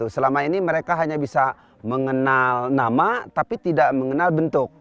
selama ini mereka hanya bisa mengenal nama tapi tidak mengenal bentuk